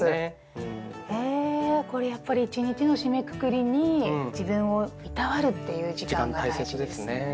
へえこれやっぱり一日の締めくくりに自分をいたわるっていう時間が大事ですね。